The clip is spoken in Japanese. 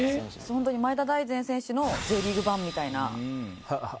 ホントに前田大然選手のＪリーグ版みたいな。